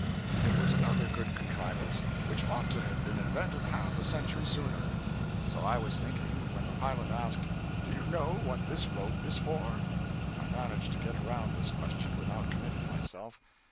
It was another good contrivance which ought to have been invented half a century sooner. So I was thinking, when the pilot asked 'Do you know what this rope is for?' I managed to get around this question, without committing myself.